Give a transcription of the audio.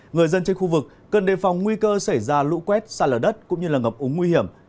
người dân trên khu vực cần đề phòng nguy cơ xảy ra lũ quét xa lở đất cũng như là ngập úng nguy hiểm